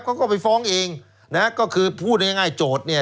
เขาก็ไปฟ้องเองนะฮะก็คือพูดง่ายง่ายโจทย์เนี่ย